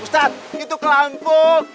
ustaz itu kelampung